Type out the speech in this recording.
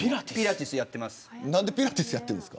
何でピラティスやってるんですか。